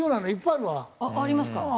あっありますか？